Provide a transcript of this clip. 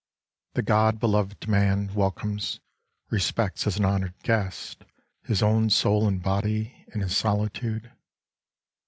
The^ God beloved man welcomes, respects as an honoured guest, his own soul and body, in his solitude.